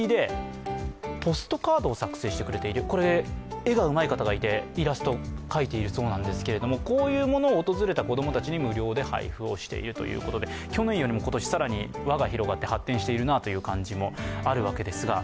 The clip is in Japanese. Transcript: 絵が上手い方がいて、イラストを描いているそうですけれども、こういうものを訪れた子供たちに無料で配布をしているということで去年よりも今年、更に輪が広がって発展しているなという感じがしますが。